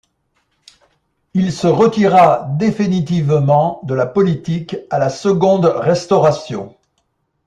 Il se retira définitivement de la politique à la seconde Restauration.